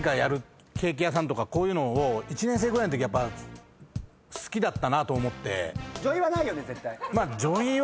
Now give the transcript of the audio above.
ケーキ屋さんとかこういうのを１年生ぐらいのとき好きだったなと思って。